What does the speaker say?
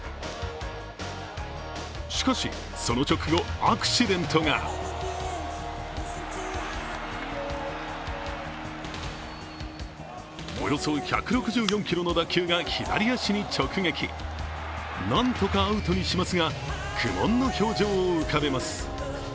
しかし、その直後アクシデントがおよそ１６４キロの打球が左足に直撃なんとかアウトにしますが苦もんの表情を浮かべます。